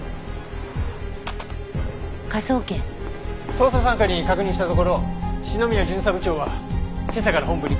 捜査三課に確認したところ篠宮巡査部長は今朝から本部に顔を出してません。